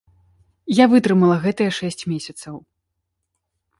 Я вытрымала гэтыя шэсць месяцаў.